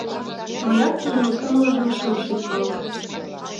Мыят тудын кумылжым шым шӱкал.